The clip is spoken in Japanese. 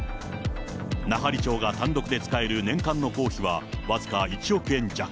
奈半利町が単独で使える年間の公費は僅か１億円弱。